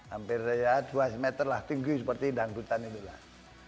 hampir ya dua meter lah tinggi seperti dangdutan itulah